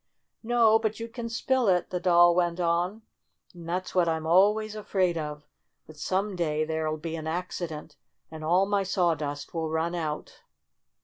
"No, but you can spill it," the Doll went on. "And that's what I'm always afraid of, that some day there'll be an accident and all my sawdust will run out."